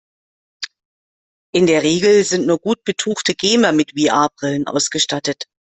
In der Regel sind nur gut betuchte Gamer mit VR-Brillen ausgestattet.